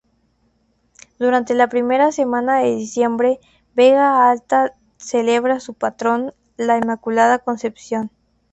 Durante la primera semana de diciembre, Vega Alta celebra su patrón, La Inmaculada Concepción.